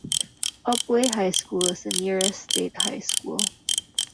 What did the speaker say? Upwey High School is the nearest state high school.